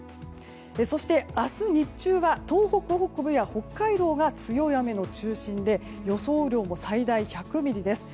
そして、明日日中は東北北部や北海道が強い雨の中心で予想雨量も最大１００ミリです。